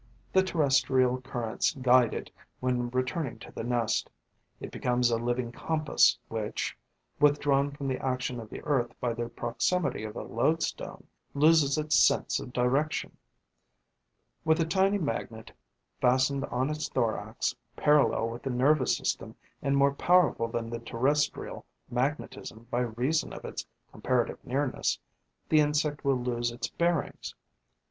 The terrestrial currents guide it when returning to the nest. It becomes a living compass which, withdrawn from the action of the earth by the proximity of a loadstone, loses its sense of direction. With a tiny magnet fastened on its thorax, parallel with the nervous system and more powerful than the terrestrial magnetism by reason of its comparative nearness, the insect will lose its bearings.